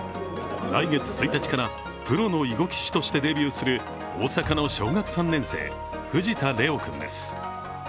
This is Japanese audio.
来月１日からプロの囲碁棋士としてデビューする大阪の小学３年生藤田怜央君です。